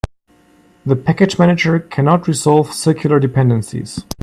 The package manager cannot resolve circular dependencies.